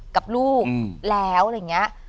กับลูกแล้วอะไรอย่างนี้